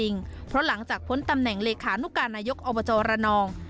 เพราะหลังจากพ้นตำแหน่งเลขานุการนายกอบจรนอง